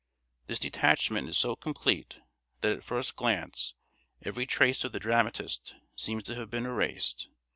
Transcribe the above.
This detachment is so complete that at first glance every trace of the dramatist seems to have been erased.